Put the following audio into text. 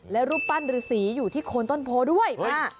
และรูปปั้นฤษีอยู่ที่โคนต้นโพด้วย